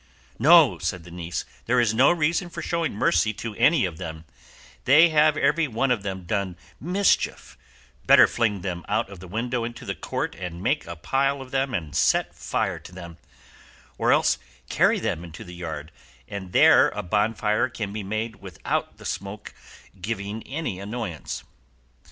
"No," said the niece, "there is no reason for showing mercy to any of them; they have every one of them done mischief; better fling them out of the window into the court and make a pile of them and set fire to them; or else carry them into the yard, and there a bonfire can be made without the smoke giving any annoyance."